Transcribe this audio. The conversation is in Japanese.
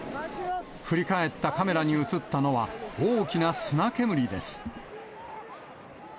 振り返ったカメラに写ったのは、大きな砂煙です。